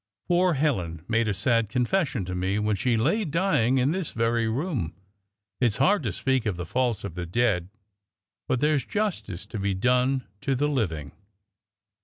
Poor Helen made a sad confession to me when she lay dying in this very room. It's hard to speak of the faults of the dead; but there's justice to be done to the living."